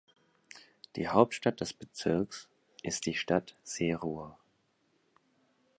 Die Hauptstadt des Bezirks ist die Stadt Şərur.